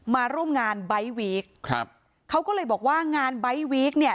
มาร่วมงานไบท์วีคเขาก็เลยบอกว่างานไบท์วีค